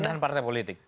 pernahan partai politik